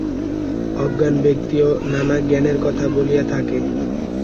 অজ্ঞান ব্যক্তিও নানা জ্ঞানের কথা বলিয়া থাকে।